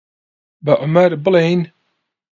بە عومەر بڵێین؟